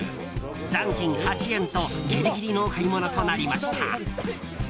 残金８円とギリギリの買い物をしました。